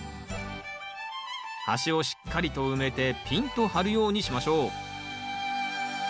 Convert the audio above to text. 端をしっかりと埋めてピンと張るようにしましょう。